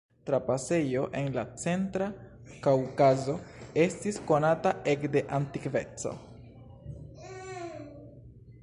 Trapasejo en la centra Kaŭkazo estis konata ekde antikveco.